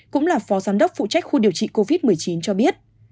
cũng là phó giám đốc phụ trách khu điều trị covid một mươi chín cho biết